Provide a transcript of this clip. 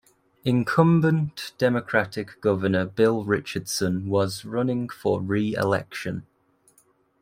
Incumbent Democratic Governor Bill Richardson was running for re-election.